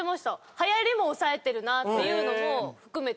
はやりも押さえてるなっていうのも含めて。